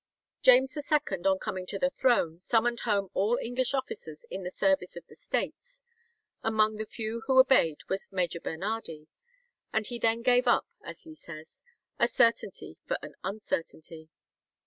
James II, on coming to the throne, summoned home all English officers in the service of the States. Among the few who obeyed was Major Bernardi, and he then gave up, as he says, a certainty for an uncertainty.